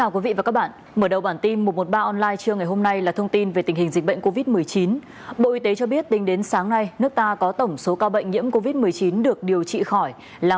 cảm ơn các bạn đã theo dõi